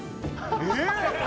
えっ？